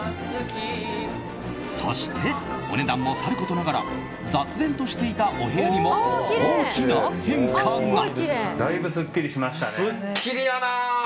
そして、お値段もさることながら雑然としていたお部屋にも大きな変化が。